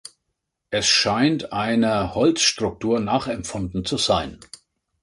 Er scheint einer Holzstruktur nachempfunden zu sein.